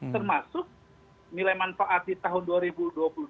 termasuk nilai manfaat di tahun dua ribu dua puluh dua kita mengambil sebesar lima tujuh triliun